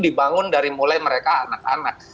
dibangun dari mulai mereka anak anak